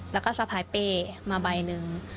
แล้วก็สะพายเป้มาใบหนึ่ง